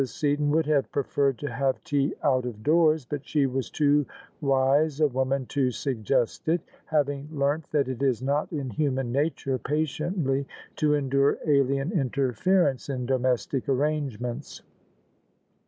Seaton would have preferred to have tea out of doors, but she was too wise a woman to suggest it; having learnt that it is not in human nature patiently to endure alien interference in domestic arrangements.